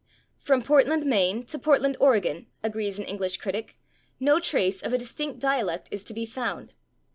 " "From Portland, Maine, to Portland, Oregon," agrees an English critic, "no trace of a distinct dialect is to be found.